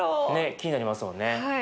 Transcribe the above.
気になりますよね。